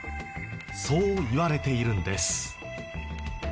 そういわれているんです。